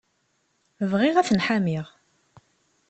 Bɣiɣ ad ten-ḥamiɣ.